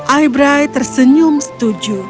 eyebrite tersenyum setuju